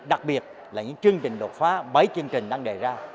đặc biệt là những chương trình đột phá bảy chương trình đang đề ra